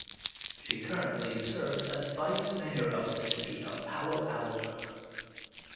She currently serves as Vice Mayor of the City of Palo Alto.